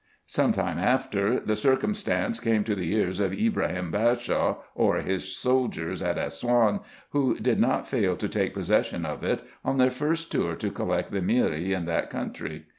Some time after, the circumstance came to the ears of Ibrahim Bashaw, or his soldiers at Assouan, who did not fail to take possession of it, on their first tour to collect the Miri in that country.